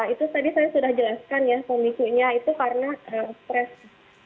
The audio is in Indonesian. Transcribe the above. itu tadi saya sudah jelaskan ya pemicunya itu karena stres